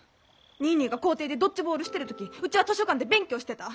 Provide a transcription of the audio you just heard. ニーニーが校庭でドッジボールしてる時うちは図書館で勉強してた。